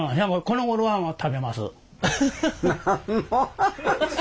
このごろは食べます。